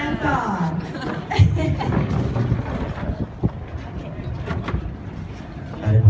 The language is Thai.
น้องแป้งนั่งก่อน